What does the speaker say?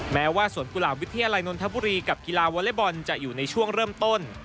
แม้ว่าสวนกุหลาบวิทยาลัยนนทบุรีกับกีฬาวอเล็กบอลจะอยู่ในช่วงเริ่มต้น